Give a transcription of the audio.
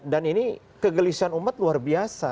dan ini kegelisuhan umat luar biasa